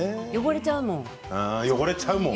汚れちゃうもん。